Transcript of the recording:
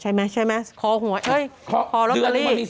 ใช่ไหมคอหวยเฮ้ยคอรชนาลีเดือนนี้มันมี๒